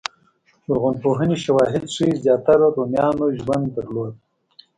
لرغونپوهنې شواهد ښيي زیاتره رومیانو ژوند درلود.